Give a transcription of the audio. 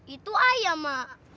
itu ayam mak